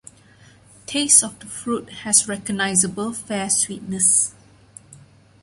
Taste of the fruit has recognizable fair sweetness.